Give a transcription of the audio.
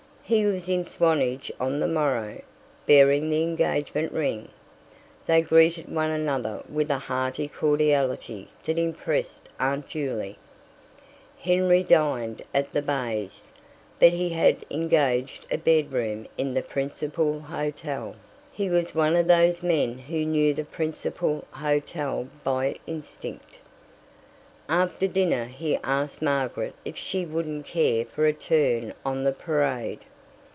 He was in Swanage on the morrow, bearing the engagement ring. They greeted one another with a hearty cordiality that impressed Aunt Juley. Henry dined at The Bays, but he had engaged a bedroom in the principal hotel: he was one of those men who knew the principal hotel by instinct. After dinner he asked Margaret if she wouldn't care for a turn on the Parade.